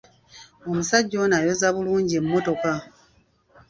Omusajja ono ayoza bulungi emmotoka.